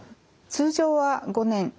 通常は５年。